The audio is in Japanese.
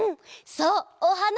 そうおはな！